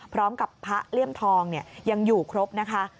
พร้อมกับพระเลี่ยมทองยังอยู่ครบนะคะ